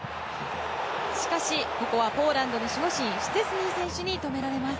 しかしここはポーランドの守護神シュチェスニー選手に止められます。